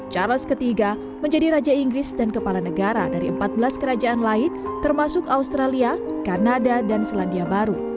charles iii menjadi raja inggris dan kepala negara dari empat belas kerajaan lain termasuk australia kanada dan selandia baru